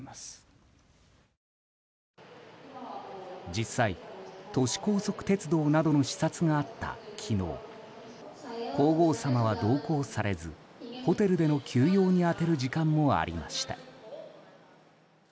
実際、都市高速鉄道などの視察があった昨日皇后さまは同行されずホテルでの休養に充てる時間もありました。